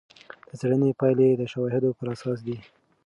د څېړنې پایلې د شواهدو پر اساس دي.